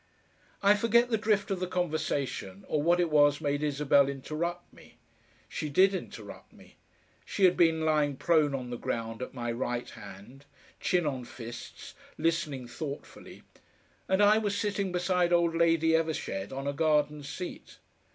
I forget the drift of the conversation, or what it was made Isabel interrupt me. She did interrupt me. She had been lying prone on the ground at my right hand, chin on fists, listening thoughtfully, and I was sitting beside old Lady Evershead on a garden seat.